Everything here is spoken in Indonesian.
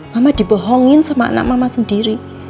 mama dibohongin sama anak mama sendiri